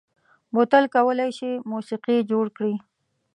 بوتل کولای شي موسيقي جوړ کړي.